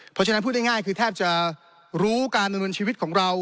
เพราะฉะนั้นพูดง่ายคือแทบจะรู้การดำเนินชีวิตของเรา